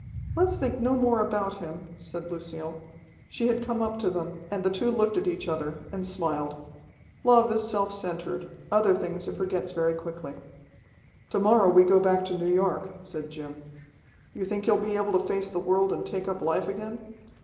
"Let's think no more about him," said Lucille. She had come up to them, and the two looked at each other and smiled. Love is self centred; other things it forgets very quickly. "To morrow we go back to New York," said Jim. "You think you're able to face the world and take up life again?"